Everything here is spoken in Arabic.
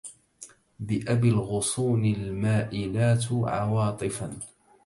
بأبي الغصون المائلات عواطفا